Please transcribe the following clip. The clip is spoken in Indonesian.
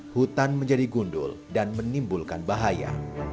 hutan menjadi gundul dan menimbulkan bahaya